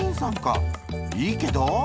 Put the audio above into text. いいけどー」。